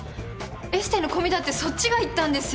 エステの込みだってそっちが言ったんですよ。